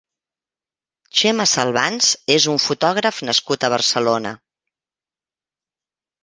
Txema Salvans és un fotògraf nascut a Barcelona.